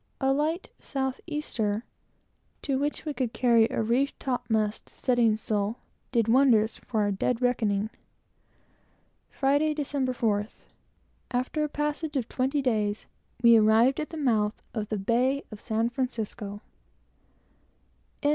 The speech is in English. A light south easter, to which we could carry a reefed topmast studding sail, did wonders for our dead reckoning. Friday, December 4th, after a passage of twenty days, we arrived at the mouth of the bay of San Francisco.